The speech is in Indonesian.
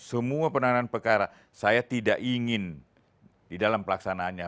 semua penanganan perkara saya tidak ingin di dalam pelaksanaannya